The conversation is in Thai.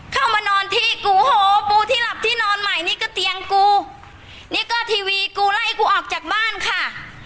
เข้ามานอนที่กูโหปูที่หลับที่นอนใหม่นี่ก็เตียงกูนี่ก็ทีวีกูไล่กูออกจากบ้านค่ะ